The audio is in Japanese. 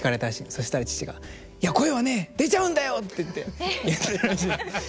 そしたら父が「いや声はね出ちゃうんだよ！」っていって言ったらしいんです。